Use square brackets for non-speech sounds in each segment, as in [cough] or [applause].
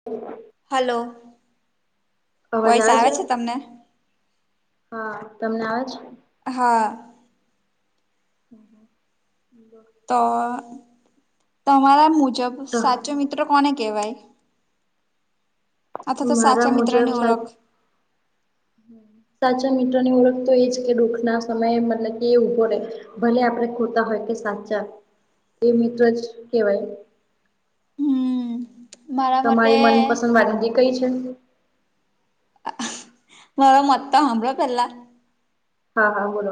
[unintelligible] Hello. અવાજ આવે છે, હા તમને આવે છે? હા. [unintelligible] તો તમારા મુજબ તો સાચો મિત્ર કોને કહેવાય? અથવા તો મારા સાચા મુજબ મિત્રની સા ઓળખ. સાચા મિત્રની ઓળખ તો એ જ કે દુઃખ ના સમયે મતલબ કે એ ઉભો રહે. ભલે આપણે ખોટા હોય કે સાચા. એ મિત્ર જ કેવાય. હમ મારા મતે તમારી મનપસંદ વાનગી કઈ છે? મ્હારો મત તો હામ્ભળો પહેલા. હા હા બોલો.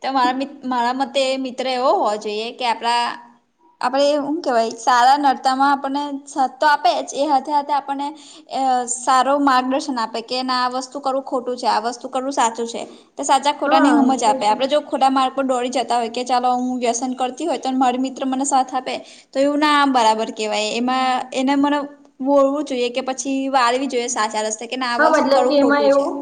તો મારા મિત મારા મતે મિત્ર એવો હોવો જોઈએ કે આપડા આપણે હું કેવાય સારા નરતા માં આપણને સાથ તો આપે જ એ હાથે હાથે આપણને અ સારો માર્ગદર્શન આપે કે ના આ વસ્તુ કરવું ખોટું છે આ વસ્તુ કરવું સાચું છે. તે સાચા હા ખોટાની એ સમજ તો આપ. છે ખોટા માર્ગ પર દોડી જતા હોય કે ચાલો હું વ્યસન કરતી હોય તો મારી મિત્ર મને સાથ આપે. તો એવું ના બરાબર કેવાય એમાં એને મન વોળવું જોઈએ કે પછી વાળવી જોઈએ સાચા રસ્તે કે ના આ હા વસ્તુ મતલબ કે કરવું એમાં ખોટું છે. એવું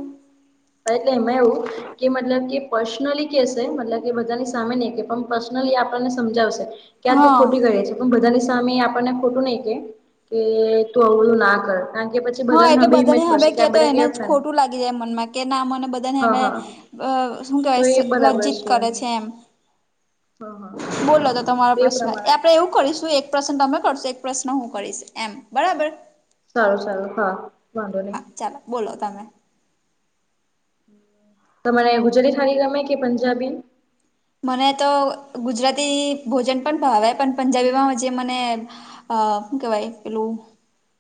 એટલે એમાં એવું કે મતલબ કે પર્સનલી કેશે મતલબ કે બધાની સામે નહી કે પણ. પર્સનલી આપણને સમજાવશે કે આ તું હા ખોટી [unintelligible] છે. એવું બધાની સામે આપણને ખોટું નહીં કે કે તું આવુ બધુ ના કર કારણ કે પછી, જે હા બધાંના બી [unintelligible] [unintelligible] તો એને જ ખોટું લાગી જાય મનમાં કે ના મને હા બધાને હા અ શુ તો કેવાય સ એ બરાબર લજ્જિત કરે છે એમ. હા હા બોલો તો તમારો એટલે પ્રશ્ન એ પ્રમાણે આપણે એવું કરીશું એક. પ્રશન તમે કરશો એક પ્રશ્ન હું કરીશ એમ બરાબર. સારું સારું હા વાંધો હા નહી. ચાલો બોલો તમે. તમારે અહીંયા ગુજરાતી થાળી ગમે કે પંજાબી મને તો ગુજરાતી ભોજન પણ ભાવે પણ પંજાબીમાં જે મને અ હું કેવાય પેલું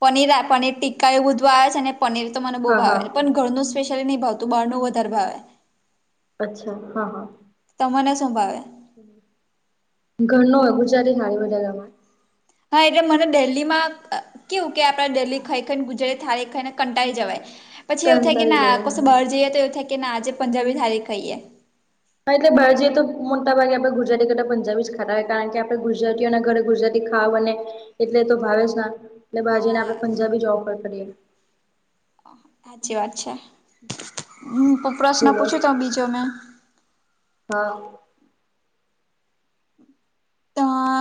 પનીરા પનીર ટિક્કા એવુ બધું આવે છે ને પનીર તો મને બહુ હા હા ભાવે પન ઘરનું સ્પેશિયલી નહી ભાવતું બાર નું વધારે ભાવે. અચ્છા હા હા તમને શું ભાવે? ઘરનો [unintelligible] હા એટલે મને દેલ્લીમાં કેવું કે આપણે ડેલ્લી ખાઈ ખાઈન ગુજરાત થાળી ખાઈને કંટાળી જવાય. પછી એવું થાય કે કંટાળી ના જવાય કશું બાર જઇએ તો એવુ થાય કે ના આજે પંજાબી થાળી ખાઈએ. હા એટલે બાર જઇએ તો મોટા ભાગે આપણે ગુજરાતી કરતા પંજાબી જ ખાતા હોય કારણ કે આપણે ગુજરાતીઓના ઘરે ગુજરાતી તી ખાવા બને એટલે તો ભાવે છે એટલે બહાર જઇ ને હા આપણે પંજાબી જ ઓફર કરીએ. હાચી વાત છે, હું તો પ્રશ્ન બોલો પૂછું તો બીજો મેં ભ તઅ-અ-અ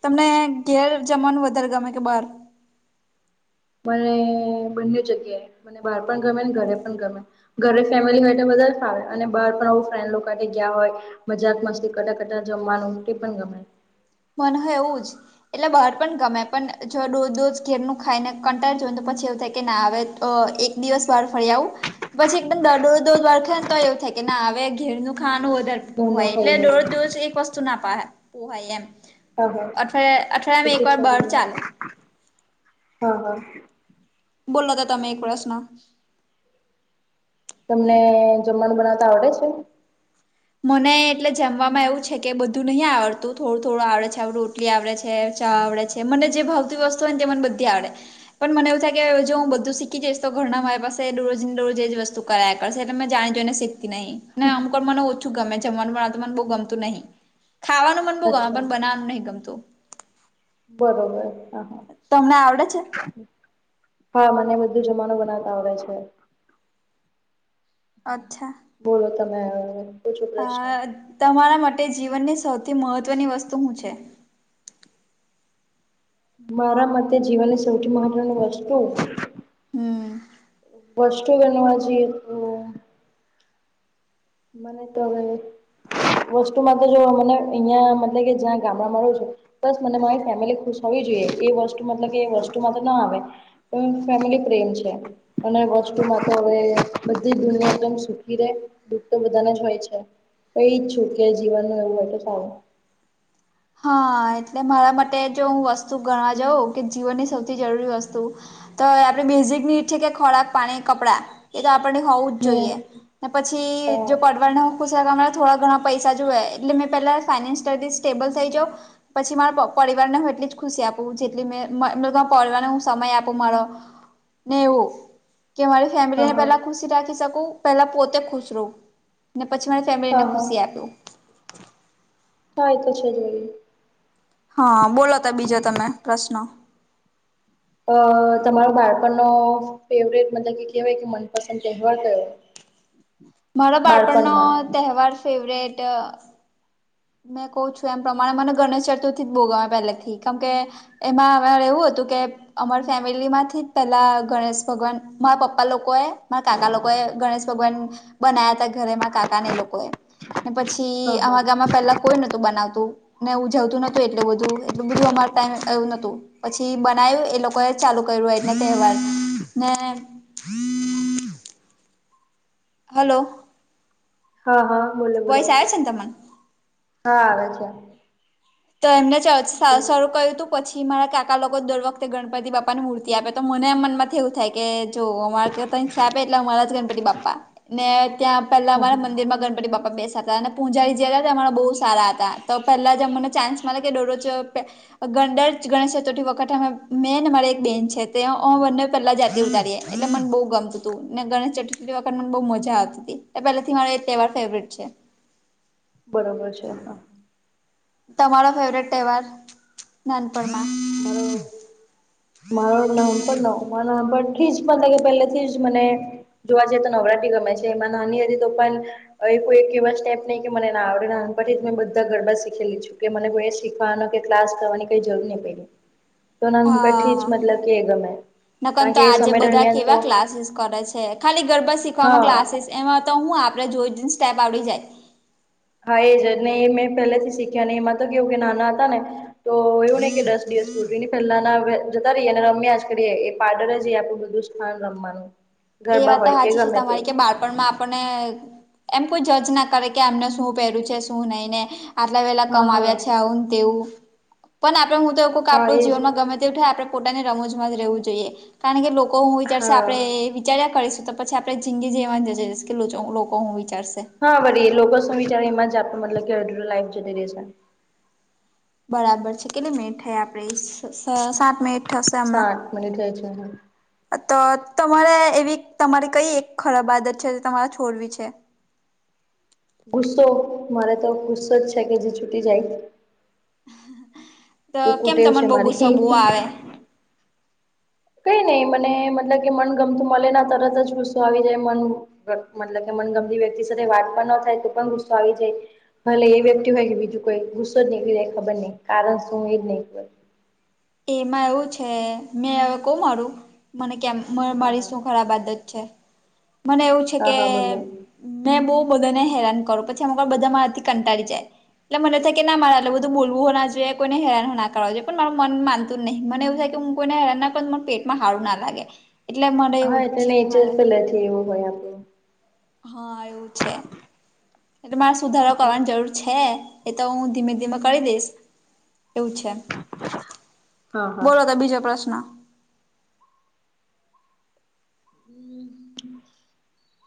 તમને ઘેર જમવાનું વધારે ગમે કે બાર મને બંનેવ જગ્યે મને બાર પણ ગમેન ઘરે પણ ગમે. ઘરે ફેમેલી હોય ત વધારો ફાવે અને બાર પણ અવ ફ્રેન્ડ લોકો હાતે ગીયા હોય. મજાક મસ્તી કરતાં કરતાં જમવાનું કે પન ગમે મને હો એવું જ એટલે બાર પણ ગમે પન જો દોજ દોજ ઘેરનું ખાઈ ને કંટાળ જોન તો પછી એવું થાય કે ના અવે તો એક દિવસ બાર ફર્યાવું. પછી એકદમ દાડ દોજ દોજ વાળખે ન તો એવું થાય કે ના અવે ઘેરનું ખાવાનું વધુ તેર ઘરનું પોહાય એટલે ખાઈએ દોરોજ દોજ એક વસ્તુ ના પાહા પોહાય એમ હ હ અઠવાડિયા એ અઠવાડિયામાં તો એકવાર બહાર ચાલે [unintelligible] હા હા બોલ્લો તો તમે એક વષ મા. તમને જમ્માંનું બનાવતા આવડે છે. મને એટલે જેમવામાં એવું છે કે બધું નહીં આવડતું થોળ થોળું આવડે છે આવુ ટલી આવળે છે ચા આવળે છે મને જે ભાવતી વસ્તુ ઓય ન તે મન બધી આવડે. પન મને એવું થાય કે જો ઉ બધું શીખી જઈશ તો ઘરના મારી પાસે દોરોજન દોરોજ એજ વસ્તુ કરાયા કરશે એટલે મેં જાણી જોઈને શીખતી નહી ને અમુક વાર મને ઓ થું ગમે બરાબર જમવાનું બણાતું મન બો ગમતું નહિ ખાવાનું મન બો ગમ પન અચ્છા બનવાનું નહી ગમતું. બોલો બોલો હા. તમને આવડે છે? હા મને બધું જમાવાનું બનાવતા આવળે છે. બોલો તમે હવે. આઅ-અ-અ તમારા મટે જીવનની સૌથી મહત્વની વસ્તુ હું છે? મારા મતે જીવનની સૌથી મહત્વની વસ્તુ હમ વસ તું બનવા જી મને તમારું વસ્તુમાં તો જો મને એઈયાં મતલેઇ કે જ્યાં ગામડામાં રેય છે. તસ મને મારી ફેમેલી ખુશ થવી જોઈએ એ વસ્તુ મતલબ કે એ વસ્તુમાં તો ના આવે. પણ ફેમેલી પ્રેમ છે. અને વસ્તુમાં તો અવે બધી દુનિયા એકદમ સુખી રે દુઃખ તો બધાને જ હોય છે, હુંઈ જ છું, કે જીવન ન એવું હોય એટલે સારું. હા, એટલે મારા માટે જોહું વસ્તુ ગણવા જાઉં કે જીવનની સૌથી જરૂરી વસ્તુ. તો આપણે બેયઝિકની છે, કે ખોરાક, પાણી, કપડાં એતો આપણને હોવું જ જોઈએ, હમ ને પછી જો હા પડવાનો. પૂછડવામા થોડા ઘણા પૈસા જોઈએ એટલે મેં પેલા ફાઇસયલી સ્ટેબલ થઈ જાવ. પછી મારા પરિવારને હું એટલી જ ખુશી આપું જેટલી મેમ પરિવારને હું સમય આપું મારો. ને એવું કે મારી હા ફેમિલીને હા પેલા ખુશી રાખી શકું પેલા પોતે ખુશ રહું, ને પછી મારી ફેમિલીને હા હા ખુશી આપ્યું, કાય કશા જઈએ. હા બોલો તો બીજો તમે પ્રશ્નો, અ તમારો બાળપણનો ફેવરેટ મતલબ કે કેહેવાય કે મનપસંદ તહેવાર કયો, [inaudible] મારો બાળપણનો બાળપણમાં તહેવાર ફેવરિટ, મેં કહ્યું છું, એમ પ્રમાણે મને ગણેશચતુર્થી જ બોવ ગમે પહેલેથી કેમ કે, એમાં અમારે એવું હતું કે, અમાર ફેમિલીમાંથી પેલા ગણેશભગવાન મારા પપ્પા લોકોએ, કાકા લોકોએ ગણેશ ભગવાન બનાયા હતા, ઘરે માર કાકાન એ લોકોએ. ને પછી હા હા અમારા ગામમાં પેલા કોઈ નોતું બનાવતું. ને ઉજવતું નોતું એટલે બધું એટલું બધું અમાર ટાઈમ એવું નહોતું. પછી બનાવ્યું એ લોકોએ ચાલુ કર્યું [unintelligible] ને [inaudible] હલો. હા હા બોલો, બોલો વોઇસ આવે છે ને તમને હા આવે છે. તો એમને ચ બોલો સ શરૂ કર્યું તું. પછી મારા કાકા લોકો દર વખતે ગણપતિબાપાની મૂર્તિ આપે તો મને મનમાંથી એવું થાય. કે જો અમારે [unintelligible] છાપે એટલે અમારા જ ગણપતિ બાપ્પા. ને ત્યાં પેલા મારા મંદિરમાં ગણપતિ બાપ પા બેસતા હતા અને પૂજારી જે હતા અમારા બહુ સારા હતા તો પહેલાં જ અમોને ચાન્સ મલે કે દરરોજ ગણ દરેક ગણેશ ચતુર્થી વખતે મે અન અમાર એક બેન છે, તે અમેં બંને પહેલા આરતી ઉતારીએ. એટલે મને બહુ ગમતું હતું, ને ગણેશચતુર્થી વખત મને બહુ મજા આવતી હતી એ પેલાથી મારો એક બરોબર છે, હા. તમારો ફેવરેટ તહેવાર, નાનપણમાં? મારો મારો નામપણનો નાનપણથી જ પણ પહેલે થી જ મને જોવા જઈએ તો નવરાત્રી ગમે છે, એમાં નાની હતી તો પણ હવે કોઈ એક એવા સ્ટેપ નહીં કે મને ના આવડે નાનપણથી જ મેં બધા ગરબા શીખેલી છું, કે મને [unintelligible] શીખવાનો કે ક્લાસ કરવાની કઈ જરૂર નહી પડે. હા કે એ ગમે નકન કારણ તો કે એ આજે સમય બધા દરમિયાન તો કેવા ક્લાસીસ કરે છે. છે, ખાલી ગરબા શીખવામાં હા ક્લાસીસ એમાં તો હું આપણે જોઈ જોઈને સ્ટેપ આવડી જાય. હા એ જ ને એ મેં પહેલાથી શીખ્યા નહિ એમાં તો કેવું કે નાના હતા ને તો એવું નહિ કે દસ દિવસ. [unintelligible] પહેલાના હવે જતા રહીએ અને રમ્યા જ કરી એ [unintelligible] રમવાનું. એ ગરબા વાત તો હોય કે સાચી છે, ગમે તે તમારી કે બાળપણમાં. આપણને એમ કોઈ જજ ના કરે કે એમને શું પહેર્યું છે, શું નહી ને. આટલા વેલા હા કમ હા આવ્યા છે, આવું ને તેવું પણ આપડે હું તો એવું કહું હા આપણું એજ જીવનમાં ગમે તેવું થાય આપણે પોતાને રમૂજમાં જ રહેવું જોઈએ, કારણ કે લોકો હું વિચારશે હા આપણે વિચાર્યા કરીશું તો પછી આપણે જિંદગી જ એમાં જતી રહેશે કે લોચો લોકો હું વિચારશે. હા વળી, એ લોકો શું વિચારે એમાં જ આપ મતલબ કે અડધું લાઈફ જતી રહેશે. બરાબર છે, કેટલી મિનિટ થઈ આપડે સ સાત મિનિટ. થશે હમણાં સાત મિનિટ થઈ છે ને. તો તમારે એવી તમારી કઈ એક ખરાબ આદત છે, જે તમારે છોડવી છે. ગુસ્સો મારે તો ગુસ્સો જ છે કે જે છૂટી જાય. તો એ કેમ કૂટેવ તમને છે બહુ ગુસ્સો મારી. બહુ આવે કઈ નહી મને મતલબ કે મન ગમતું મલે ના તરત જ ગુસ્સો આવી જાય મન. મતલબ કે મનગમતી વ્યક્તિ સાથે વાત પણ ન થાય તો પણ ગુસ્સો આવી જાય. ભલે એ વ્યક્તિ હોય કે બીજું કોઈ ગુસ્સો જ નીકળી જાય ખબર નહિ કારણ શું એ જ નહીં. એમાં એવું છે મેં [unintelligible] મારું મને કેમ. મ હા મારી હા શું ખરાબ આદત છે મને એવું છે હા કે હા બોલો મેં બહુ બધાને હેરાન કરું પછી અમુકવાર બધા મારાથી કંટાળી જાય. એટલે મને થાય કે ના મારે એટલુ બધું બોલવું ના જોઇએ કોઈને હેરાને ના કરવા જોએ પણ મારે મન માનતું જ નહી મને એવું થાય કે હું કોઈને હેરાન ના કરું મને પેટમાં હારું ના લાગે. એટલે મને એવું જ છે કે મારે. તેતી એવું હોય આપને હા એવું છે એટલે મારે સુધારો આપણું. કરવાની જરૂર. છે એ તો હું ધીમે ધીમે કરી દઈશ એવું છે હા હા. બોલો તો બીજો પ્રશ્ન. હમ્મ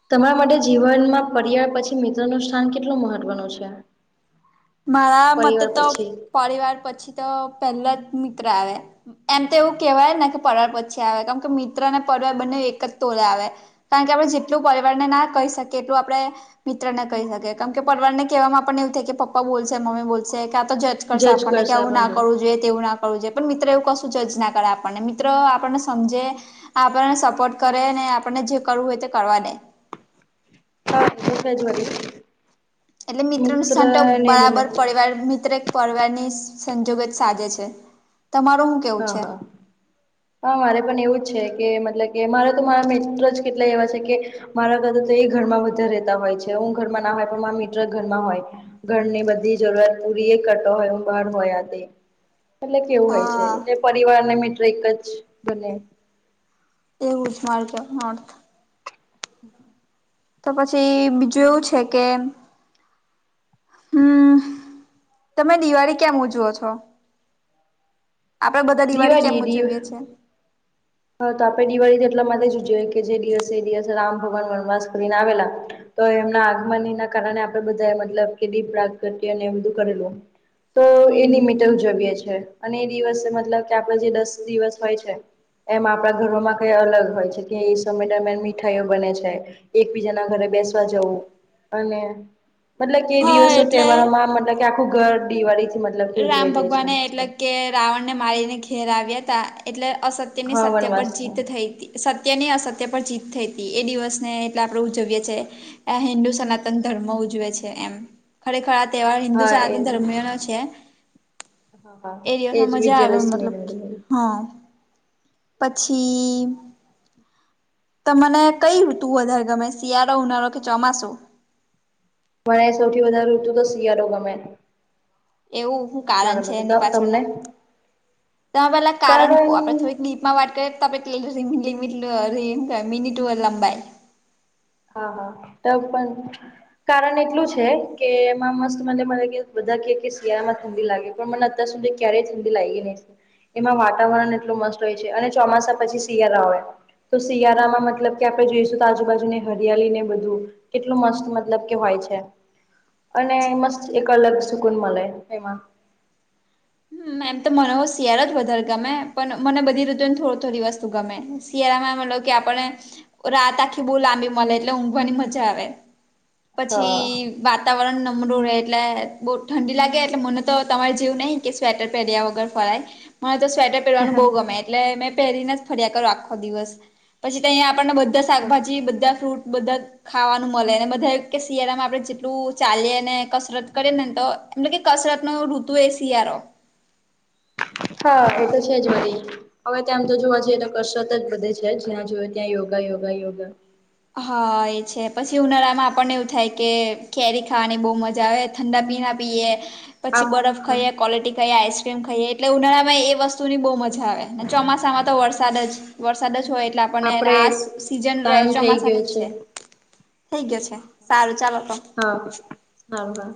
તમારા માટે જીવનમાં પર્યાર પછી મિત્ર નુ સ્થાન કેટલું મહત્વનું છે. [inaudible] મારા મતે પરિવાર તો પછી પરિવાર પછી તો પેલા જ મિત્ર આવે. એમ તો એવું કેહેવાય ને કે પરિયર પછી આવે કેમ કે મિત્ર ને પરીવાર બંને એક જ તોલે આવે. કારણ કે આપણે જેટલું પરિવારને ના કહી શકીએ એટલું આપણે મિત્ર ને કહી શકે કેમ કે પરિવારને કહેવામાં પણ એવું થાય કે પપ્ પપ્પા બોલશે મમ્મી બોલશે કે આ તો જજ કરશે આપણને કે એવું ના કરવું જોઈએ તેવું ના કરવું જોયે પણ મિત્ર એવું કશું જજ ના કરે આપણને મિત્ર આપણને સમજે આપણને સપોર્ટ કરે ને આપણને જે કરવું હોય તે કરવા દે. હા [inaudible] એટલે મિત્રોનું મિત્ર સન્ટો ને બને બરાબર પરિવાર મિત્ર પરવારની સંજોગત સાજે છે તમારુ હા હા હા મારે પણ એવું જ છે કે મતલબ કે મારે તો મારા મિત્ર જ કેટલા એવા છે કે. મારા કરતા તો એ ઘરમાં વધારે રહેતા હોય છે હું ઘરમાં ના હોય પણ મારા મિત્ર ઘરમાં હોય ઘરની બધી જરૂરાત પૂરી એ કરતો હોય હુ બહાર હોય આ તે એટલે કેવું હોય છે હા એટલે પરિવારને મિત્ર એક જ બને એવું જ માર્ગ નોર્થ. [inaudible] તો પછી બીજું એવું છે કે એમ હમ્મ તમે દિવાળી કેમ ઉજવો છો. [inaudible] આપડે બધા દિવાળી કેમ ઉજવિયે છે હા તો આપે દિવાળી એટલા માટે જ જોઈએ કે જે દિવસે એ દિવસે રામ ભગવાન વનવાસ કરીને આવેલા. તો એમના આગમની ના કારણે આપડે બધા મતલબ કે દીપ પ્રગતિયે ને એ બધું કરેલું. તો એ હમ નિમિત્તે ઉજવીએ છીએ અને એ દિવસે મતલબ કે આપડે જે દસ દિવસ હોય છે એમ આપણા ઘરોમાં કઈ અલગ હોય છે કે એ સમય દરમિયાન મીઠાઈઓ બને છે એકબીજા ના ઘરે બેસવા જવું અને મતલબ કે હા દિવસો એટલે તહેવારો માં મતલબ કે આખું ઘર દિવાળીથી મ રામ ભગવાન એ એટલે કે રાવણ ને મારીને ઘેર આવ્યા હતા એટલે અસત્ય તેની હા સત્ય પર જીત વનવાસમાં થઈ તી સત્યની અસત્ય પર જીત થઈ હતી એ દિવસને એટલે આપણે ઉજવીએ છીએ આ હિન્દુ સનાતન ધર્મ ઉજવે છે એમ ખરેખર આ તહેવાર હિન્દુ હા એ સનાતન ધર્મયો નો છે હા એ હા દિવસમાં એજ મજા આવે વિજયાદશમી મતલબ [unintelligible] હા પછી તમને કઈ ઋતુ વધારે ગમે શિયાળો, ઉનાળો કે ચોમાસું, મને સૌથી વધારે ઋતુ તો શિયાળો ગમે. એવું હુ મારા કારણ છે મતે એની તમને પાછળનું, તમે પેલા કારણ કો આપડે થોડીક ડિપ મા વાત કરીએ તો [unintelligible] મીનિટ મિનીટુર લંબાઈ હા હા તો પણ કારણ એટલું છે કે એમાં મસ્ત મને મને બધા કે શિયાળામાં ઠંડી લાગે પણ મને અત્યાર સુધી ક્યારે ઠંડી લાગે નહિ. એમાં વાતાવરણ એટલું મસ્ત હોય છે અને ચોમાસા પછી શિયાળા હોય તો હા શિયાળામાં મતલબ કે આપણે જોઈશું આજુબાજુને હરિયાળી ને બધું કેટલું મસ્ત મતલબ કે હોય છે અને સાચી વાત મસ્ત છે. એક પણ અલગ સુકન મલે એમાં. હમ્મ એમ તો મનો શિયાળો જ વધારે ગમે પણ મને બધી રીતુ ને થોડી થોડી વસ્તુ ગમે શિયાળામાં મતલબ કે આપણે રાત આખી બહુ લાંબી મળે એટલે ઊંઘવાની મજા આવે. પછી. હા વાતાવરણ નમરું રહે એટલે બહુ ઠંડી લાગે એટલે મને તો તમારે જેવું નહી કે સ્વેટર પહેર્યા વગર ફરે મને તો સ્વેટર પહેરવાનું બહુ ગમે એટલે મે પહેરીને ફરિયા કરો આખો દિવસ પછી તંયા આપને બધા શાકભાજી, બધા ફ્રૂટ, બધા ખાવાનું મળે અને બધા કે શિયાળામાં આપણે જેટલું ચાલીએને, કસરત કરીએ, નેને તો મતલબ કે કસરતનો ઋતુએ શિયાળો હા એ તો છેજ વળી. હવે ત્યાં આમ તો જોવા જઈએ તો કસરત જ બધે છે જ્યાં જોઈએ ત્યાં યોગા યોગા યોગા હા એ છે પછી ઉનાળામાં આપણને એવું થાય કે કેરી ખાવાની બહુ મજા આવે. ઠંડા પીણા પીએ, પછી આપ બરફ ખાઈએ, ક્વોલિટી ખાઈએ, આઈસ- કેમ ખાઈએ એટલે ઉનાળામાં એ વસ્તુની બહુ મજા આવે ને ચોમાસામાં તો વરસાદ જ વરસાદ જ હોય એટલે આપણને આપડે આ સી સીઝન ર ટાઈમ થઈ ચોમાસા ગયો છે થઈ ગયો છે સારું ચાલો તો. હા સારું હા.